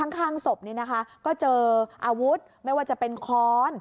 ข้างศพก็เจออาวุธไม่ว่าจะเป็นค้อน